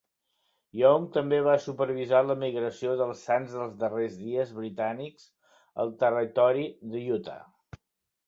Young també va supervisar l'emigració dels Sants dels Darrers Dies britànics al territori d'Utah.